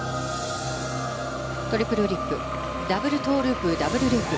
トリプルフリップダブルトウループダブルループ。